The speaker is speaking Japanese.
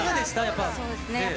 そうですね。